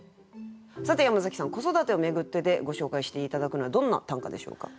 さて山崎さん「『子育て』をめぐって」でご紹介して頂くのはどんな短歌でしょうか？